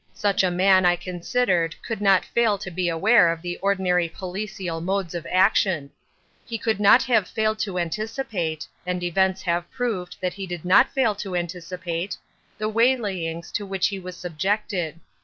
Such a man, I considered, could not fail to be aware of the ordinary policial modes of action. He could not have failed to anticipate—and events have proved that he did not fail to anticipate—the waylayings to which he was subjected.